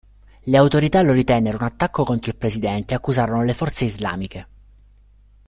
Le autorità lo ritennero un attacco contro il presidente e accusarono le forze islamiche.